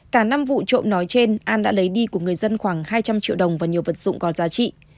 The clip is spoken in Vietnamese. cả năm vụ trộm nói trên an đã lấy đi của người dân khoảng hai trăm linh triệu đồng và nhiều vật dụng có giá trị